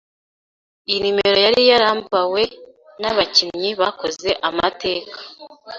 Iyi nimero yari yarambawe n’abakinnyi bakoze amateka